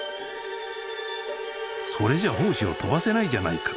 「それじゃあ胞子を飛ばせないじゃないか」